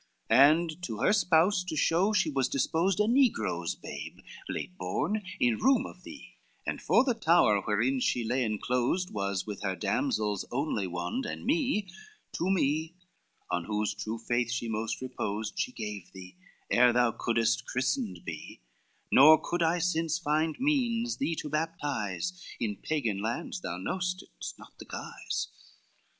XXV "And to her spouse to show she was disposed A negro's babe late born, in room of thee, And for the tower wherein she lay enclosed, Was with her damsels only wond and me, To me, on whose true faith she most reposed, She gave thee, ere thou couldest christened be, Nor could I since find means thee to baptize, In Pagan lands thou knowest it's not the guise.